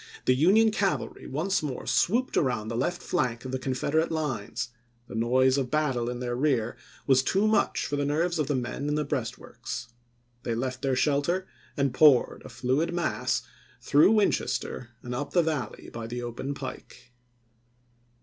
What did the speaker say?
The Union cavalry once more swooped around the left flank of the Confederate lines; the noise of battle in their rear was too much for the nerves of the men in the breastworks. They left their shelter, and poured, a fluid mass, through Winchester and up the Valley by the open pike.